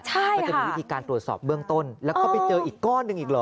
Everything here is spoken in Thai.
ก็จะมีวิธีการตรวจสอบเบื้องต้นแล้วก็ไปเจออีกก้อนหนึ่งอีกเหรอ